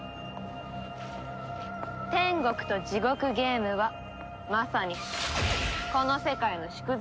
天国と地獄ゲームはまさにこの世界の縮図よ。